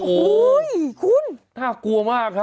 โอ้โหคุณน่ากลัวมากครับ